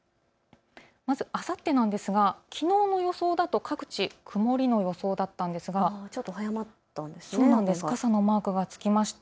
まず、あさってなんですがきのうの予想だと各地、曇りの予想だったんですが傘のマークがつきました。